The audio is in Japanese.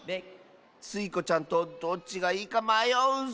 スイ子ちゃんとどっちがいいかまようッス。